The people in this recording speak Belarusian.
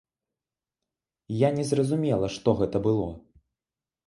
Я не зразумела, што гэта было.